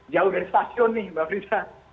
jauh dari stasiun nih mbak frisa